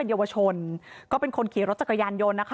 เป็นเยาวชนก็เป็นคนขี่รถจักรยานโยน